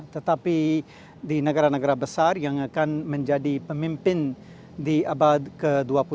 tetapi di negara negara besar yang akan menjadi pemimpin di abad ke dua puluh